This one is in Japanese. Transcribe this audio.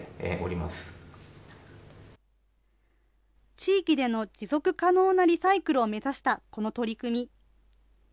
地域での持続可能なリサイクルを目指したこの取り組み。